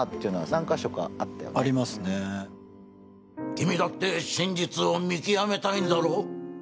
君だって真実を見極めたいんだろう？